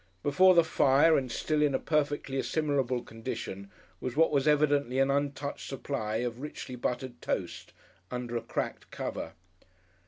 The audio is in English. Before the fire and still in a perfectly assimilable condition was what was evidently an untouched supply of richly buttered toast under a cracked cover.